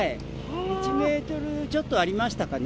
１メートルちょっとありましたかね。